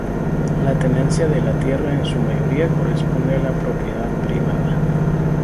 La tenencia de la tierra en su mayoría corresponde a la propiedad privada.